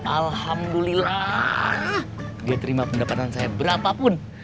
alhamdulillah dia terima pendapatan saya berapapun